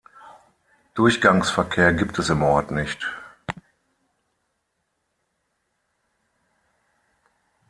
Durchgangsverkehr gibt es im Ort nicht.